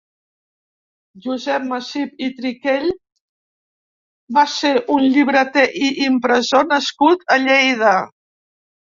Josep Masip i Triquell va ser un llibreter i impressor nascut a Lleida.